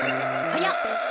はやっ！